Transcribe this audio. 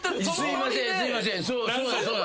すいません。